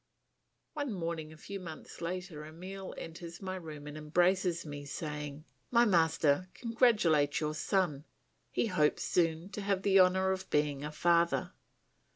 One morning a few months later Emile enters my room and embraces me, saying, "My master, congratulate your son; he hopes soon to have the honour of being a father.